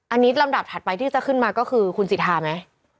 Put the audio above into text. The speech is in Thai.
อันนี้ลำดับถัดไปที่จะขึ้นมาก็คือคุณสิทธาไหม